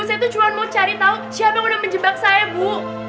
saya tuh cuma mau cari tahu siapa yang udah menjebak saya bu